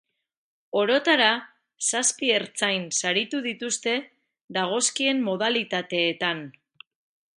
Orotara, zazpi ertzain saritu dituzte dagozkien modalitateetan.